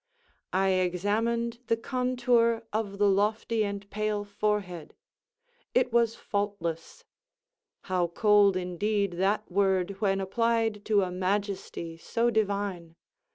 I examined the contour of the lofty and pale forehead—it was faultless—how cold indeed that word when applied to a majesty so divine!